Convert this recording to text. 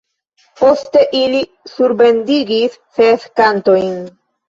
Poste ili surbendigis ses kantojn.